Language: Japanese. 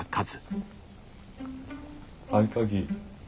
合鍵。